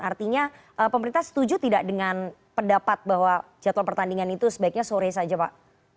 artinya pemerintah setuju tidak dengan pendapat bahwa jadwal pertandingan itu sebaiknya sore saja pak